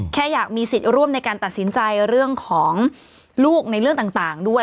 แค่อยากมีสิทธิ์ร่วมในการตัดสินใจเรื่องของลูกในเรื่องต่างด้วย